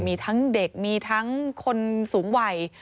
มีทั้งเด็กมีทั้งคนสูงวัย